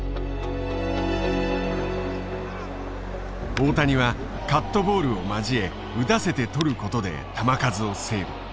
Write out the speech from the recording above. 大谷はカットボールを交え打たせてとることで球数をセーブ。